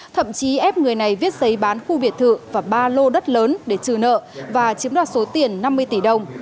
thậm chí ép người này viết giấy bán khu biệt thự và ba lô đất lớn để trừ nợ và chiếm đoạt số tiền năm mươi tỷ đồng